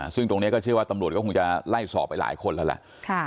ซึ่งตรงนี้ก็เชื่อว่าตำรวจก็คงจะไล่สอบไปหลายคนแล้วแหละ